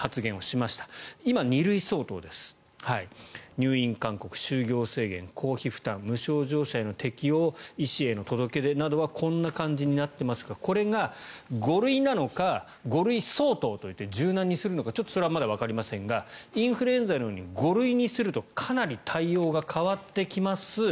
入院勧告、就業制限、公費負担無症状者への適用医師への届け出などはこんな感じになっていますがこれが５類なのか５類相当といって柔軟にするのかそれはちょっとわかりませんがインフルエンザのように５類にするとかなり対応が変わってきます。